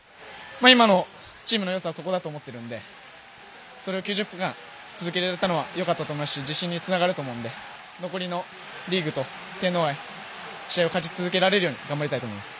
今のチームのよさはそこだと思ってるのでそれを９０分間続けられたのはよかったと思いますし自信につながると思うので残りのリーグと天皇杯の試合を勝ち続けられるように頑張りたいと思います。